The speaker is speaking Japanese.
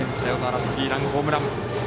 スリーランホームラン。